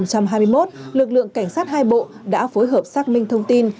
năm hai nghìn hai mươi một lực lượng cảnh sát hai bộ đã phối hợp xác minh thông tin